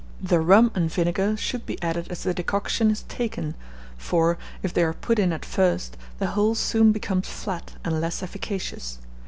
The rum and vinegar should be added as the decoction is taken; for, if they are put in at first, the whole soon becomes flat and less efficacious.